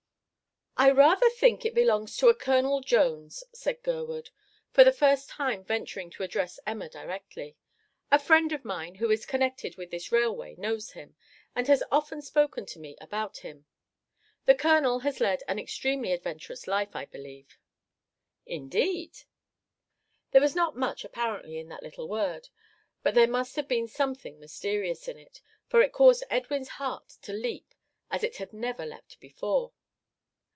"I rather think it belongs to a Colonel Jones," said Gurwood, for the first time venturing to address Emma directly. "A friend of mine who is connected with this railway knows him, and has often spoken to me about him. The colonel has led an extremely adventurous life, I believe." "Indeed!" There was not much apparently in that little word, but there must have been something mysterious in it, for it caused Edwin's heart to leap as it had never leapt before.